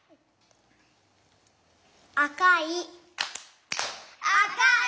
「あかい」。